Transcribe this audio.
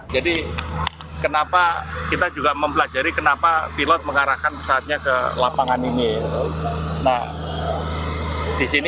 jadi kita juga mempelajari kenapa pilot mengarahkan